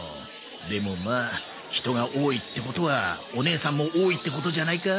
でもまあ人が多いってことはお姉さんも多いってことじゃないか？